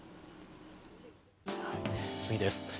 次です。